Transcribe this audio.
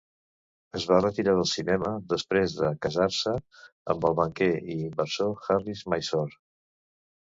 Es va retirar del cinema després de casar-se amb el banquer i inversor Harish Mysore.